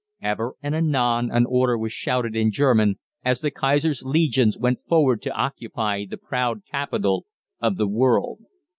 Ever and anon an order was shouted in German as the Kaiser's legions went forward to occupy the proud capital of the world.